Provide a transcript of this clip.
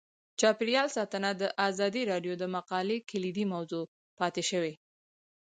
چاپیریال ساتنه د ازادي راډیو د مقالو کلیدي موضوع پاتې شوی.